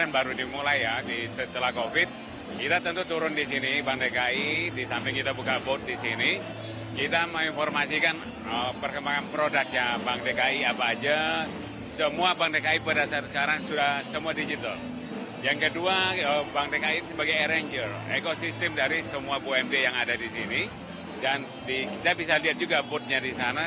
bank dki sebagai arranger ekosistem dari semua bumd yang ada di sini dan kita bisa lihat juga boothnya di sana